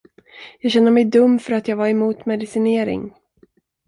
Jag känner mig dum för att jag var emot medicinering.